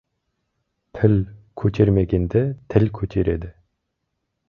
Піл көтермегенді тіл көтереді.